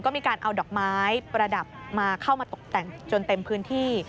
ก็มีการเอาดอกไม้ประดับมาเข้ามาตกแต่งจนเต็มพื้นที่